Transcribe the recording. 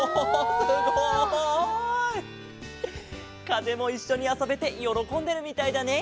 かぜもいっしょにあそべてよろこんでるみたいだね！